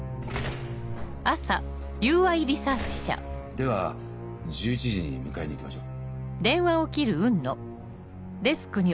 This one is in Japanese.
では１１時に迎えに行きましょう。